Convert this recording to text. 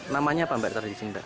namanya apa mbak tradisi mbak